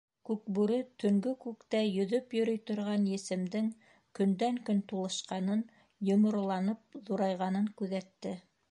Күкбүре төнгө күктә йөҙөп йөрөй торған есемдең көндән- көн тулышҡанын, йомороланып ҙурайғанын күҙәтте.